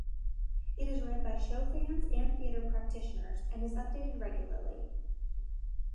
It is read by show fans and theatre practitioners, and is updated regularly.